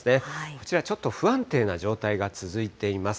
こちら、ちょっと不安定な状態が続いています。